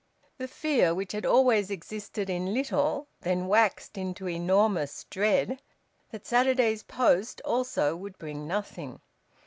The fear, which had always existed in little, then waxed into enormous dread, that Saturday's post also would bring nothing.